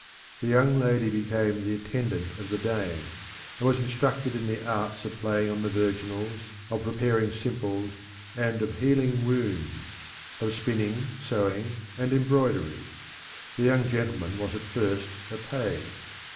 The young lady became the attendant of the Dame, and was instructed in the arts of playing on the virginals, of preparing simples, and of healing wounds; of spinning, sewing, and embroidery. The young gentleman was at first a page.